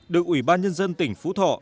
được ủy ban nhân dân tỉnh phú thọ